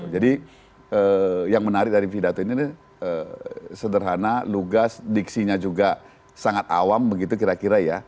jadi yang menarik dari pidato ini sederhana lugas diksinya juga sangat awam begitu kira kira ya